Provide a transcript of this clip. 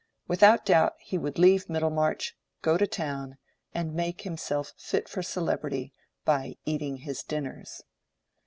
Without doubt he would leave Middlemarch, go to town, and make himself fit for celebrity by "eating his dinners."